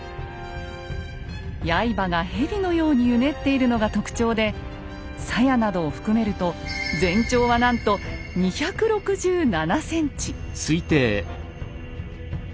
刃が蛇のようにうねっているのが特徴で鞘などを含めると全長はなんと２６７ｃｍ。